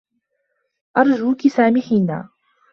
أرجوكِ سامحينا.